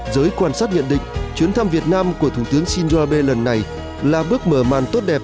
giới quan sát nhận định chuyến thăm việt nam của thủ tướng shinzo abe lần này là bước mở màn tốt đẹp